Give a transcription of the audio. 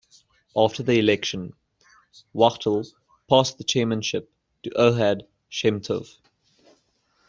After the election, Wachtel passed the chairmanship to Ohad Shem-Tov.